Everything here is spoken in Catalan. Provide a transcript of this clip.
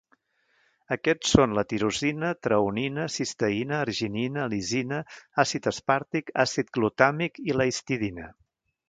Aquests són la tirosina, treonina, cisteïna, arginina, lisina, àcid aspàrtic, àcid glutàmic i la histidina.